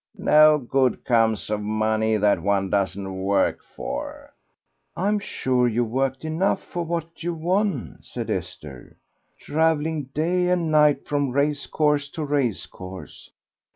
No good comes of money that one doesn't work for." "I'm sure you worked enough for what you won," said Esther; "travelling day and night from race course to race course.